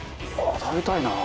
食べたいな。